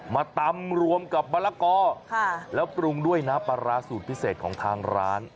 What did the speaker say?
มาตำรวมกับมะละกอแล้วปรุงด้วยน้ำปลาร้าสูตรพิเศษของทางร้าน